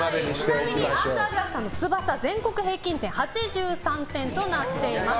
ちなみにアンダーグラフさんの「ツバサ」全国平均点８３点となっています。